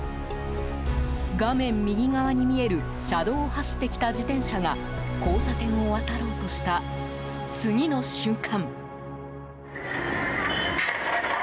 画面右側に見える車道を走ってきた自転車が交差点を渡ろうとした次の瞬間。